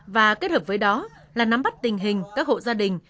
và kết hợp với đó là nắm bắt tình hình các hộ gia đình